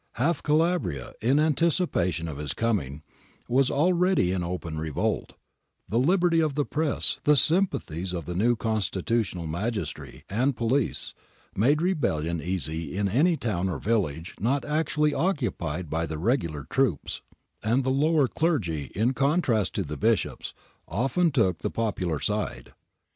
Half Calabria, in anticipation of his coming, was already in open revolt ; the liberty of the press, the sympathies of the new 'constitutional' magistracy and police, made rebellion easy in any town or village not actually occupied by the regular troops ; and the lower clergy, in contrast to the bishops, often took the popular side.